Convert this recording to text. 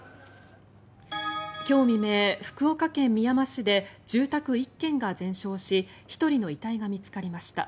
今日未明、福岡県みやま市で住宅１軒が全焼し１人の遺体が見つかりました。